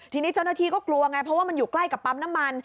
ทีนี้เจ้าหน้าที่ก็กลัวไงเพราะว่ามันอยู่ใกล้กับปั๊มน้ำมัน